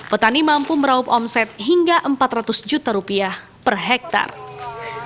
petani mampu meraup omset hingga empat ratus juta rupiah per hektare